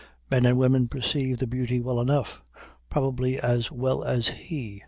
Men and women perceive the beauty well enough probably as well as he.